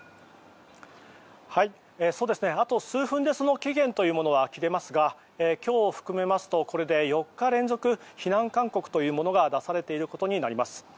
あと数分でその期限が切れますが今日を含めますとこれで４日連続避難勧告というものが出されていることになります。